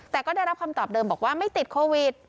แต่ก็ได้รับคำตอบเดิมบอกว่าไม่ติดโควิด